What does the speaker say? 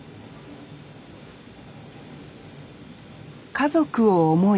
家族を思い